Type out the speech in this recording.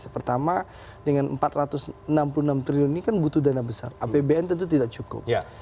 pertama dengan empat ratus enam puluh enam triliun ini kan butuh dana besar apbn tentu tidak cukup